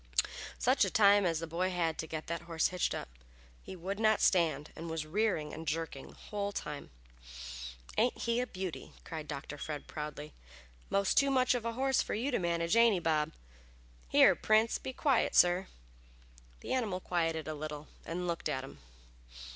Such a time as the boy had to get that horse hitched up. He would not stand, and was rearing and jerking the whole time. "Ain't he a beauty?" cried Dr. Fred, proudly. "Most too much of a horse for you to manage, ain't he, Bob? Here, Prince, be quiet, sir!" The animal quieted a little and looked at him.